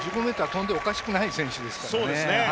１５ｍ跳んでもおかしくない選手ですからね。